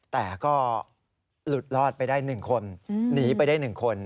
แต่ก็หลุดรอดไปได้หนึ่งคนหนีไปได้หนึ่งคน